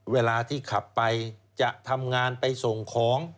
เวลาที่ขับไปจะทำงานไปส่งของ